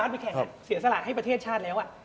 เหมือนเขาเสียสลากเหมือนพี่บ๊าสไปแข่ง